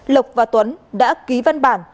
lực và tuấn đã ký văn bản